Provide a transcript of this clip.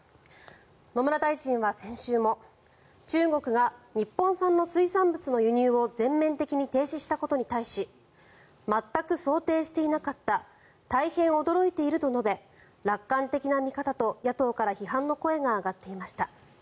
野村大臣は先週も中国が日本産の水産物の輸入を全面的に停止したことに対し全く想定していなかった大変驚いていると述べ楽観的な見方と野党から批判の声が上がっていました。